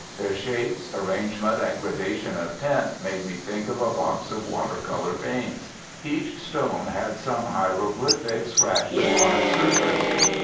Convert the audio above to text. Their shapes, arrangement, and gradation of tint made me think of a box of water colour paints. Each stone had some hieroglyphic scratched upon its surface.